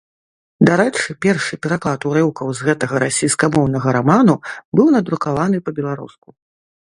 Дарэчы, першы пераклад урыўкаў з гэтага расійскамоўнага раману быў надрукаваны па-беларуску.